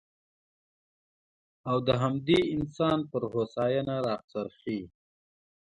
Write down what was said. او د همدې انسان پر هوساینه راڅرخي.